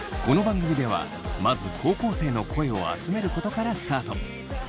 この番組ではまず高校生の声を集めることからスタート。